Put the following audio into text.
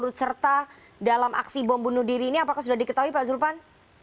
dalam aksi bom bunuh diri ini apakah sudah diketahui pak julpan